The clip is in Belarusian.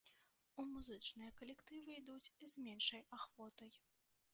У музычныя калектывы ідуць з меншай ахвотай.